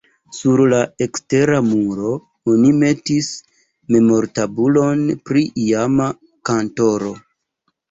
Sur la ekstera muro oni metis memortabulon pri iama kantoro.